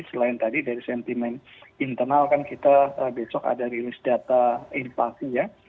selain tadi dari sentimen internal kan kita besok ada rilis data invasi ya